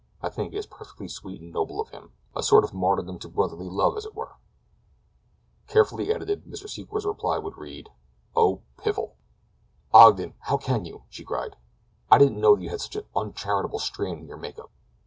I think it is perfectly sweet and noble of him—a sort of martyrdom to brotherly love, as it were." Carefully edited, Mr. Secor's reply would read: "Oh, piffle!" "Ogden! How can you!" she cried, "I didn't know that you had such an uncharitable strain in your make up."